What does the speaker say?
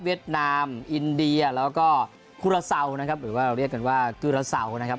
นามอินเดียแล้วก็คุราเซานะครับหรือว่าเราเรียกกันว่ากุระเสานะครับ